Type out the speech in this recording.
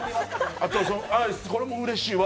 アイス、これもうれしいわ。